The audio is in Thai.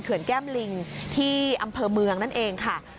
แก้มลิงที่อำเภอเมืองนั่นเองค่ะ